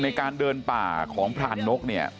ในการเดินป่าของพลานนก